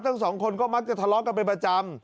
ทั้งสองคนก็มักจะทะเลาะกันเป็นประจำ